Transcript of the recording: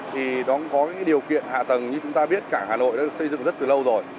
thì nó có cái điều kiện hạ tầng như chúng ta biết cả hà nội đã được xây dựng rất là lâu rồi